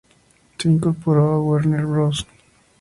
Se incorporó a Warner Bros.